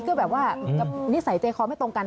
ก็แบบว่านิสัยเจคอร์ไม่ตรงกัน